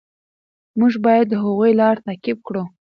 موږ باید د هغوی لاره تعقیب کړو.